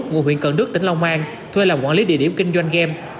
ngôi huyện cận đức tỉnh long an thuê làm quản lý địa điểm kinh doanh game